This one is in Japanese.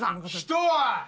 人は！